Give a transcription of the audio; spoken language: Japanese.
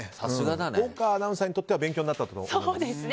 大川アナウンサーにとっては勉強になったと思います。